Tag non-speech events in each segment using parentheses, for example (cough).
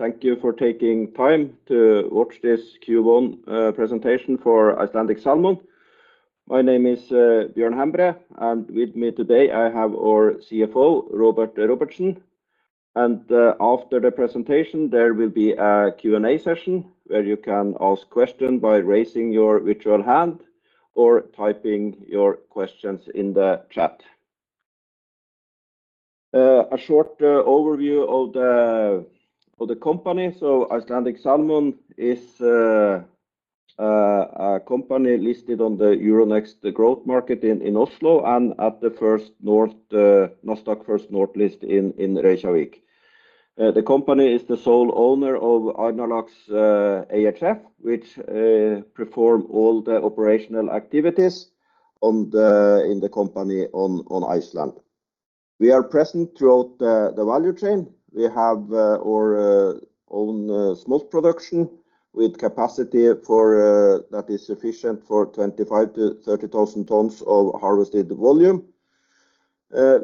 Thank you for taking time to watch this Q1 presentation for Icelandic Salmon. My name is Bjørn Hembre, and with me today I have our CFO, Róbert Róbertsson. After the presentation there will be a Q&A session where you can ask questions by raising your virtual hand or typing your questions in the chat. A short overview of the company: Icelandic Salmon is a company listed on the Euronext Growth in Oslo and at the Nasdaq First North list in Reykjavík. The company is the sole owner of Arnarlax ehf, which performs all the operational activities in the company on Iceland. We are present throughout the value chain. We have our own smolt production with capacity that is sufficient for 25,000 to 30,000 tons of harvested volume.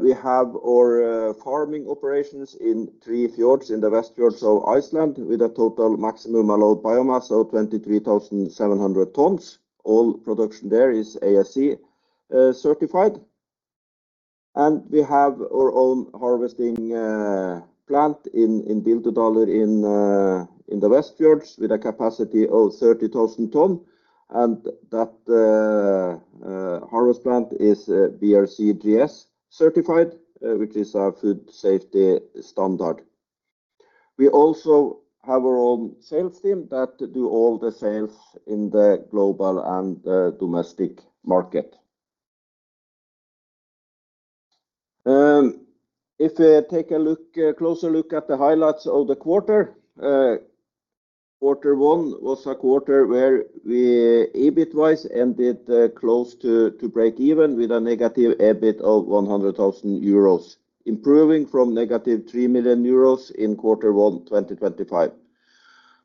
We have our farming operations in three fjords in the Westfjords of Iceland with a total Maximum Allowable Biomass of 23,700 tons. All production there is ASC certified. We have our own harvesting plant in Bíldudalur in the Westfjords with a capacity of 30,000 tons, that harvest plant is BRCGS certified, which is a food safety standard. We also have our own sales team that do all the sales in the global and domestic market. If we take a closer look at the highlights of the quarter one was 1/4 where we EBIT-wise ended close to break-even with a negative EBIT of 100,000 euros, improving from -3 million euros in quarter one 2025.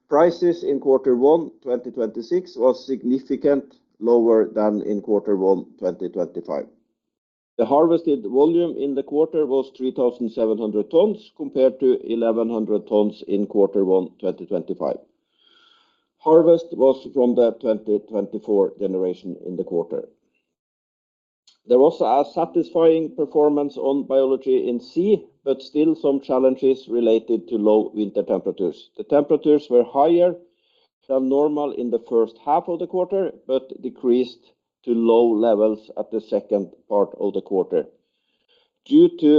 Prices in quarter one 2026 were significantly lower than in quarter one 2025. The harvested volume in the quarter was 3,700 tons compared to 1,100 tons in quarter one 2025. Harvest was from the 2024 generation in the quarter. There was a satisfying performance on biology in sea, but still some challenges related to low winter temperatures. The temperatures were higher than normal in the first half of the quarter but decreased to low levels at the second part of the quarter. Due to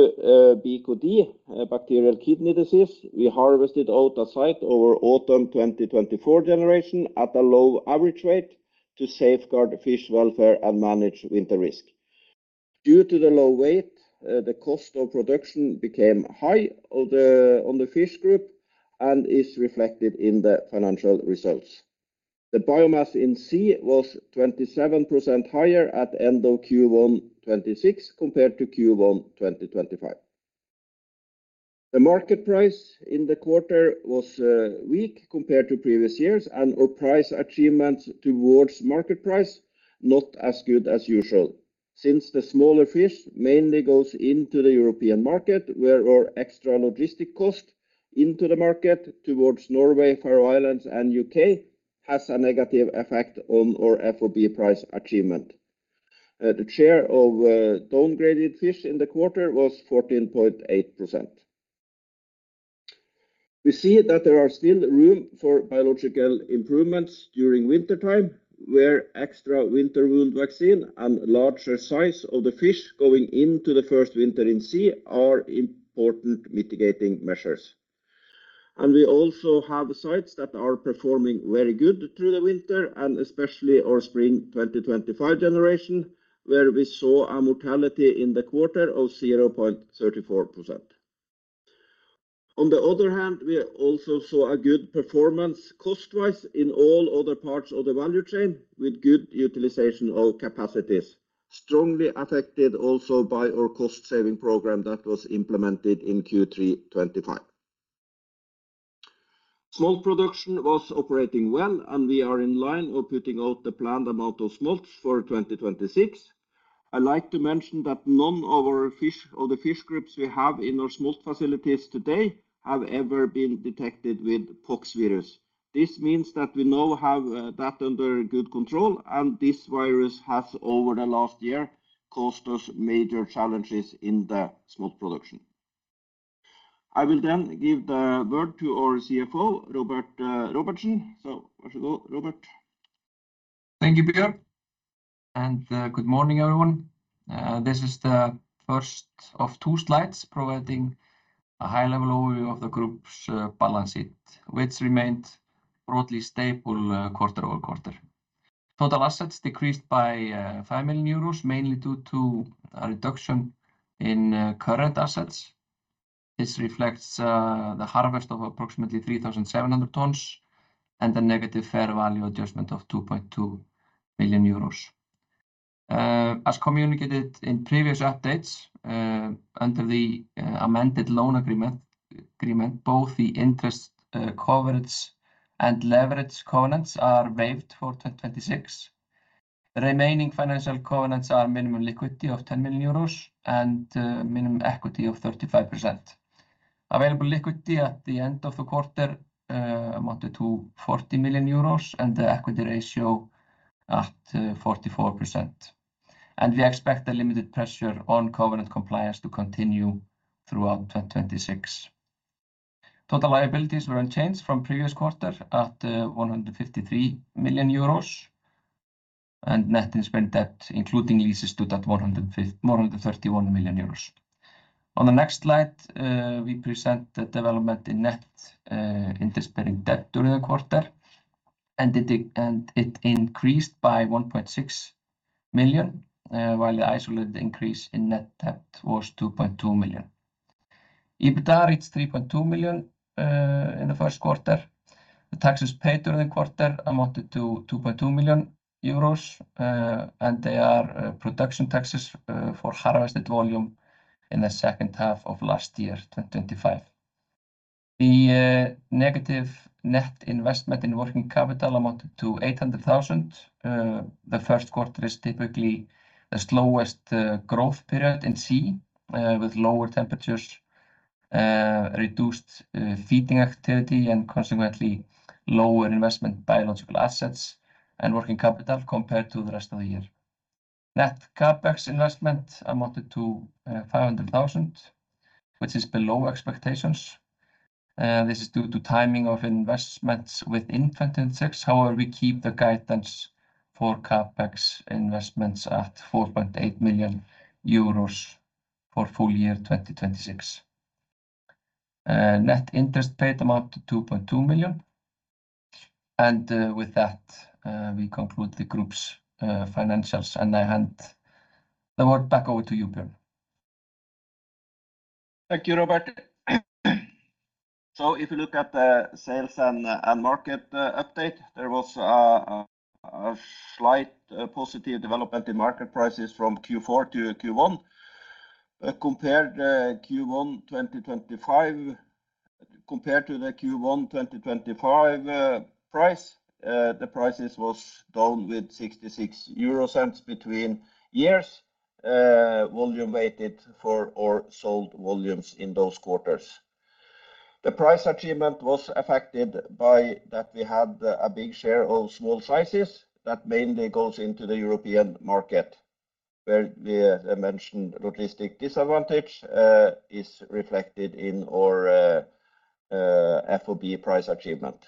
BKD, Bacterial Kidney Disease, we harvested out of site over autumn 2024 generation at a low average rate to safeguard fish welfare and manage winter risk. Due to the low weight, the cost of production became high on the fish group and is reflected in the financial results. The biomass in sea was 27% higher at the end of Q1 2026 compared to Q1 2025. The market price in the quarter was weak compared to previous years and/or price achievements towards market price not as good as usual. Since the smaller fish mainly goes into the European market, where our extra logistic cost into the market towards Norway, Faroe Islands, and U.K. has a negative effect on our FOB price achievement. The share of downgraded fish in the quarter was 14.8%. We see that there are still room for biological improvements during wintertime, where extra winter wound vaccine and larger size of the fish going into the first winter in sea are important mitigating measures. We also have sites that are performing very good through the winter, and especially our spring 2025 generation, where we saw a mortality in the quarter of 0.34%. On the other hand, we also saw a good performance cost-wise in all other parts of the value chain with good utilization of capacities, strongly affected also by our cost-saving program that was implemented in Q3 2025. Smolt production was operating well, and we are in line of putting out the planned amount of smolts for 2026. I like to mention that none of the fish groups we have in our smolt facilities today have ever been detected with Pox virus. This means that we now have that under good control, and this virus has, over the last year, caused us major challenges in the smolt production. I will then give the word to our CFO, Róbert Róbertsson. There you go, Róbert. Thank you, Bjørn. Good morning, everyone. This is the first of two slides providing a high-level overview of the group's balance sheet, which remained broadly stable quarter-over-quarter. Total assets decreased by 5 million euros, mainly due to a reduction in current assets. This reflects the harvest of approximately 3,700 tons and a negative fair value adjustment of 2.2 million euros. As communicated in previous updates, under the amended loan agreement, both the interest coverage and leverage covenants are waived for 2026. The remaining financial covenants are minimum liquidity of 10 million euros and minimum equity of 35%. Available liquidity at the end of the quarter amounted to 40 million euros and the equity ratio at 44%. We expect a limited pressure on covenant compliance to continue throughout 2026. Total liabilities were unchanged from previous quarter at 153 million euros, and net interest-bearing debt, including leases, stood at 131 million euros. On the next slide, we present the development in net interest-bearing debt during the quarter, and it increased by 1.6 million, while the isolated increase in net debt was 2.2 million. EBITDA reached 3.2 million in the first quarter. The taxes paid during the quarter amounted to 2.2 million euros, and they are production taxes for harvested volume in the second half of last year, 2025. The negative net investment in working capital amounted to 800,000. The first quarter is typically the slowest growth period in sea, with lower temperatures, reduced feeding activity, and consequently lower investment in biological assets and working capital compared to the rest of the year. Net CapEx investment amounted to 500,000, which is below expectations. This is due to timing of investments within 2026. However, we keep the guidance for CapEx investments at 4.8 million euros for full year 2026. Net interest paid amounted to 2.2 million. With that, we conclude the group's financials, and I hand the word back over to you, Bjørn. Thank you, Róbert. If you look at the sales and market update, there was a slight positive development in market prices from Q4 to Q1. Compared to the Q1 2025 price, the prices were down with 0.66 between years volume weighted for our sold volumes in those quarters. The price achievement was affected by that we had a big share of small sizes that mainly goes into the European market, where we mentioned logistic disadvantage is reflected in our FOB price achievement.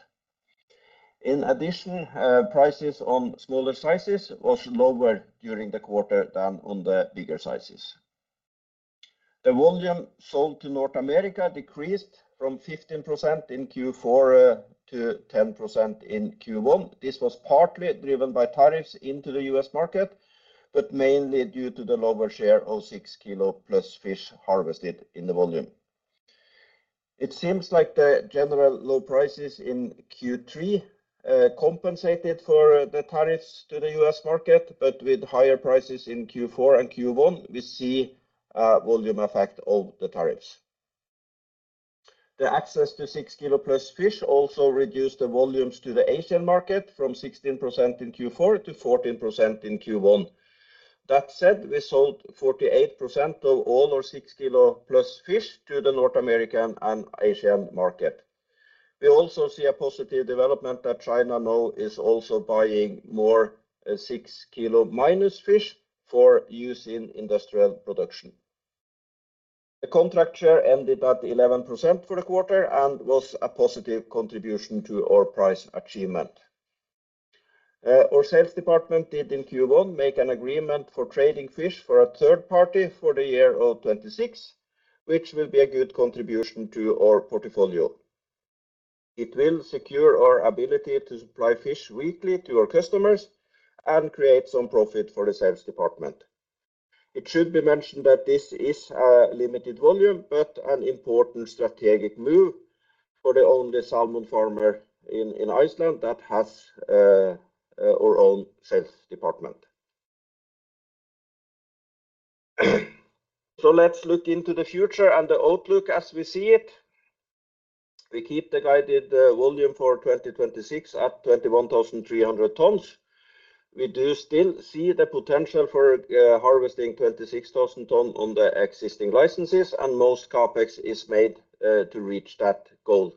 In addition, prices on smaller sizes were lower during the quarter than on the bigger sizes. The volume sold to North America decreased from 15% in Q4 to 10% in Q1. This was partly driven by tariffs into the U.S. market, but mainly due to the lower share of 6 kl+ fish harvested in the volume. It seems like the general low prices in Q3 compensated for the tariffs to the U.S. market. With higher prices in Q4 and Q1, we see a volume effect of the tariffs. The access to 6 kl+ fish also reduced the volumes to the Asian market from 16% in Q4 to 14% in Q1. That said, we sold 48% of all our 6 kl+ fish to the North American and Asian market. We also see a positive development that China now is also buying more 6 kl- fish for use in industrial production. The contract share ended at 11% for the quarter and was a positive contribution to our price achievement. Our sales department did in Q1 make an agreement for trading fish for a third party for the year of 2026, which will be a good contribution to our portfolio. It will secure our ability to supply fish weekly to our customers and create some profit for the sales department. It should be mentioned that this is a limited volume but an important strategic move for the only salmon farmer in Iceland that has our own sales department. Let's look into the future and the outlook as we see it. We keep the guided volume for 2026 at 21,300 tons. We do still see the potential for harvesting 26,000 tons on the existing licenses, and most CapEx is made to reach that goal.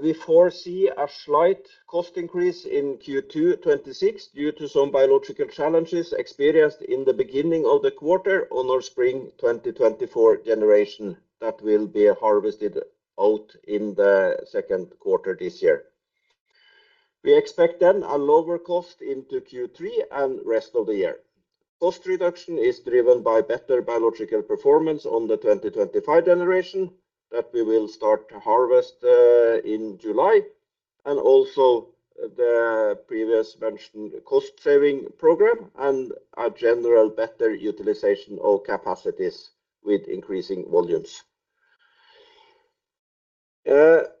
We foresee a slight cost increase in Q2 2026 due to some biological challenges experienced in the beginning of the quarter on our spring 2024 generation that will be harvested out in the second quarter this year. We expect then a lower cost into Q3 and rest of the year. Cost reduction is driven by better biological performance on the 2025 generation that we will start to harvest in July, and also the previously mentioned cost-saving program and a general better utilization of capacities with increasing volumes.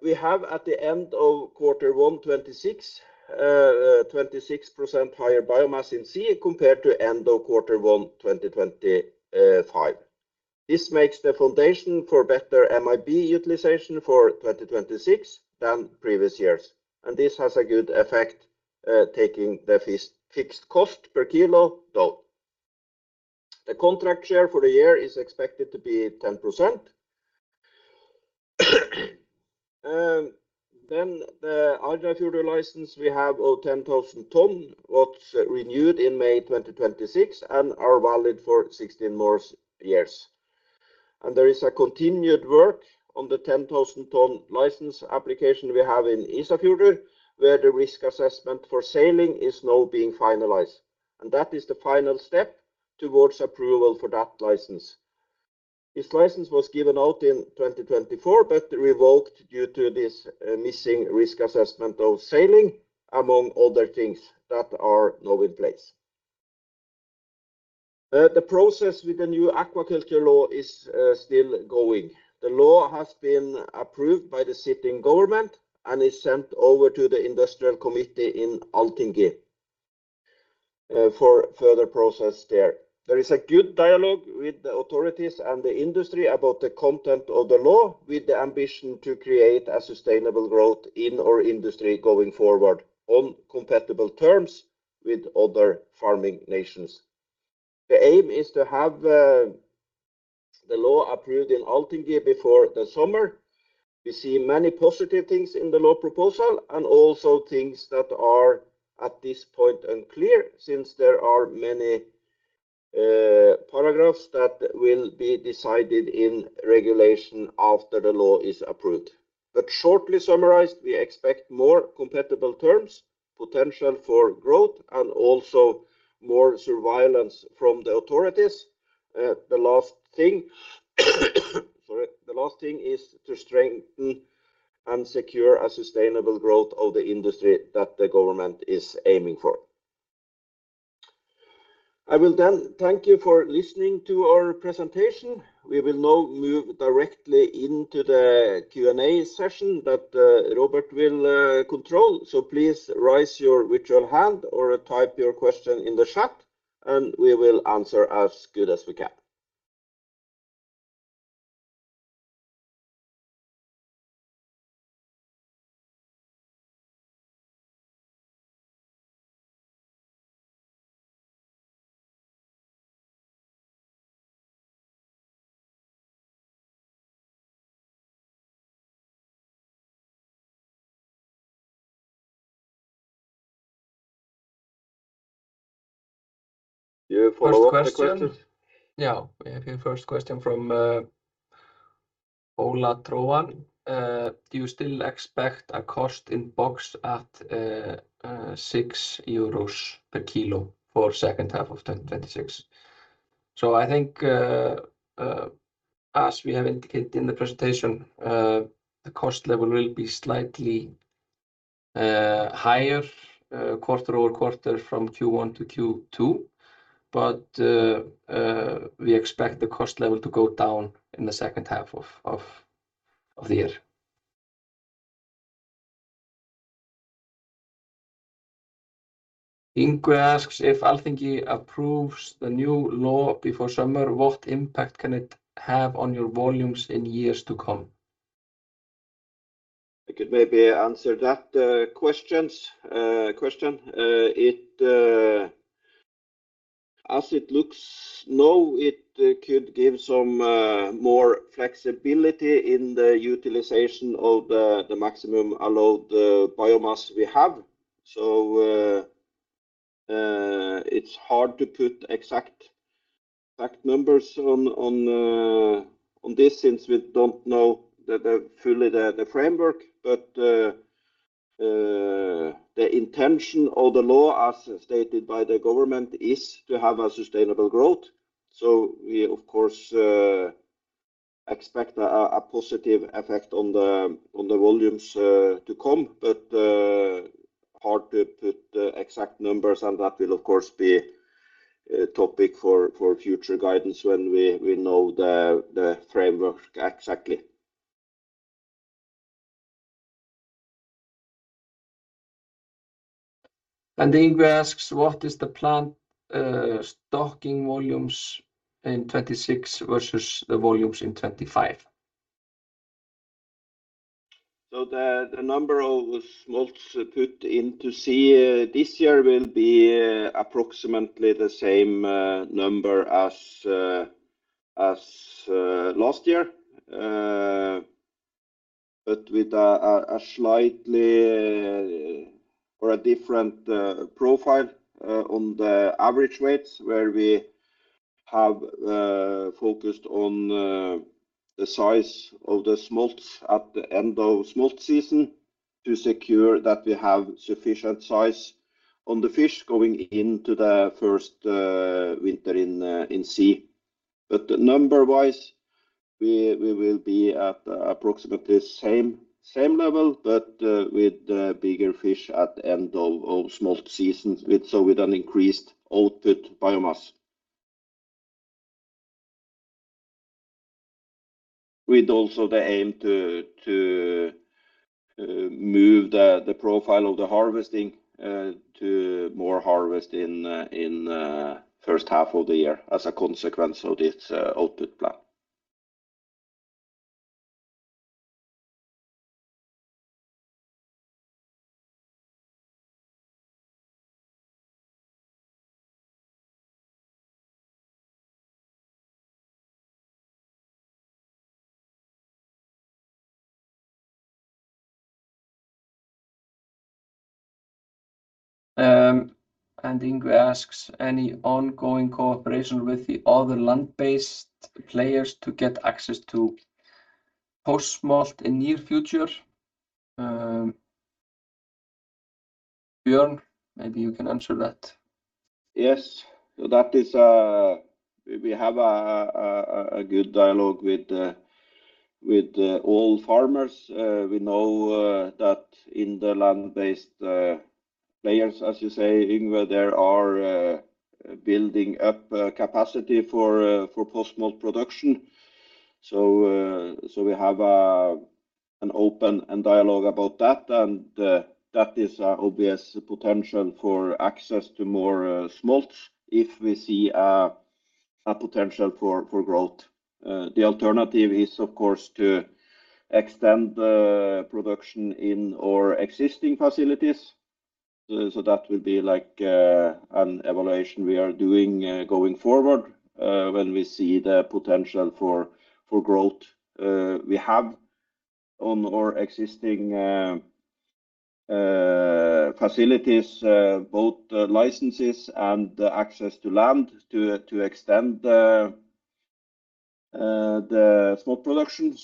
We have at the end of Q1 2026, 26% higher biomass in sea compared to the end of Q1 2025. This makes the foundation for better MAB utilization for 2026 than previous years, and this has a good effect taking the fixed cost per kilo down. The contract share for the year is expected to be 10%. The aquaculture license we have of 10,000 tons was renewed in May 2026 and is valid for 16 more years. There is continued work on the 10,000-ton license application we have in Ísafjarðardjúp, where the risk assessment for sailing is now being finalized, and that is the final step towards approval for that license. This license was given out in 2024 but revoked due to this missing risk assessment of sailing, among other things that are now in place. The process with the new aquaculture law is still going. The law has been approved by the sitting government and is sent over to the Industrial Affairs Committee in Alþingi for further process there. There is a good dialogue with the authorities and the industry about the content of the law with the ambition to create a sustainable growth in our industry going forward on compatible terms with other farming nations. The aim is to have the law approved in Alþingi before the summer. We see many positive things in the law proposal and also things that are at this point unclear since there are many paragraphs that will be decided in regulation after the law is approved. Shortly summarized, we expect more compatible terms, potential for growth, and also more surveillance from the authorities. The last thing is to strengthen and secure a sustainable growth of the industry that the government is aiming for. I will thank you for listening to our presentation. We will now move directly into the Q&A session that Róbert will control. Please raise your virtual hand or type your question in the chat, and we will answer as good as we can. Do you follow up questions? (crosstalk) We have a first question from Ole Trøan. Do you still expect a cost in box at 6 euros kl for the second half of 2026? I think, as we have indicated in the presentation, the cost level will be slightly higher quarter-over-quarter from Q1 to Q2, but we expect the cost level to go down in the second half of the year. Yngve asks if Alþingi approves the new law before summer, what impact can it have on your volumes in years to come? I could maybe answer that question. As it looks now, it could give some more flexibility in the utilization of the Maximum Allowable Biomass we have. It's hard to put exact numbers on this since we don't know fully the framework, but the intention of the law, as stated by the government, is to have a sustainable growth. We, of course, expect a positive effect on the volumes to come, but hard to put exact numbers, and that will, of course, be a topic for future guidance when we know the framework exactly. Yngve asks, what is the planned stocking volumes in 2026 versus the volumes in 2025? The number of smolts put into sea this year will be approximately the same number as last year, but with a slightly different profile on the average weights, where we have focused on the size of the smolts at the end of smolt season to secure that we have sufficient size on the fish going into the first winter in sea. Number-wise, we will be at approximately the same level, but with bigger fish at the end of smolt season, so with an increased output biomass. With also the aim to move the profile of the harvesting to more harvest in the first half of the year as a consequence of this output plan. Yngve asks, any ongoing cooperation with the other land-based players to get access to post-smolt in the near future? Bjørn, maybe you can answer that. Yes, we have a good dialogue with all farmers. We know that in the land-based players, as you say, Yngve, there are building up capacity for post-smolt production. We have an open dialogue about that, and that is an obvious potential for access to more smolts if we see a potential for growth. The alternative is, of course, to extend production in our existing facilities. That will be like an evaluation we are doing going forward when we see the potential for growth we have on our existing facilities, both licenses and access to land, to extend the smolt production.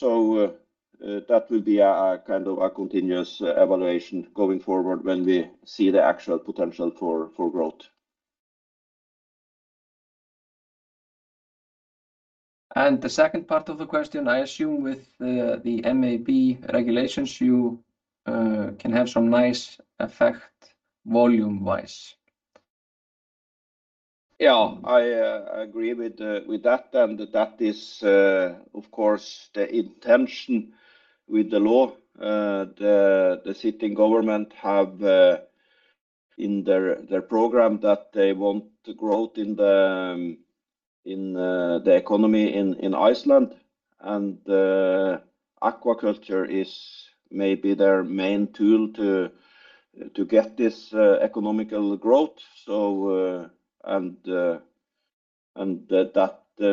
That will be kind of a continuous evaluation going forward when we see the actual potential for growth. The second part of the question, I assume with the MAB regulations, you can have some nice effect volume-wise. I agree with that is, of course, the intention with the law. The sitting government has in their program that they want growth in the economy in Iceland, aquaculture is maybe their main tool to get this economic growth. That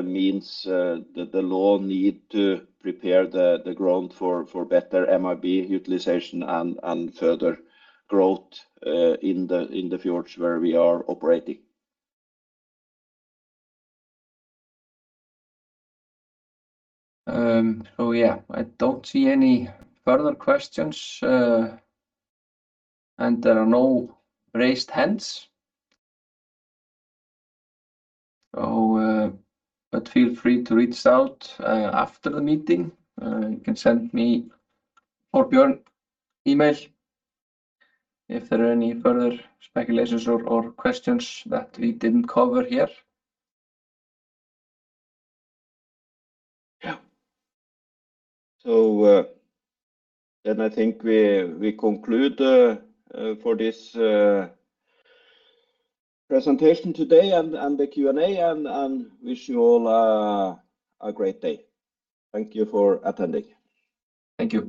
means that the law needs to prepare the ground for better MAB utilization and further growth in the fjords where we are operating. Oh yeah, I don't see any further questions. There are no raised hands. Feel free to reach out after the meeting. You can send me or Bjørn an email if there are any further speculations or questions that we didn't cover here. Yeah. I think we conclude for this presentation today and the Q&A, and wish you all a great day. Thank you for attending. Thank you.